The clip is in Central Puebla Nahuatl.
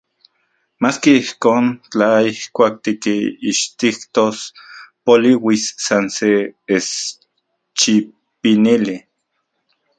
Maski ijkon, tla ijkuak tikixtijtos poliuis san se eschipinili...